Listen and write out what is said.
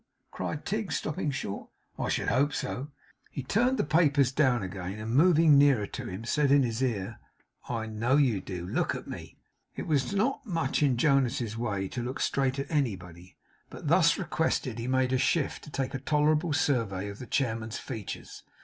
cried Tigg, stopping short. 'I should hope so.' He turned the papers down again, and moving nearer to him, said in his ear: 'I know you do. I know you do. Look at me!' It was not much in Jonas's way to look straight at anybody; but thus requested, he made shift to take a tolerable survey of the chairman's features.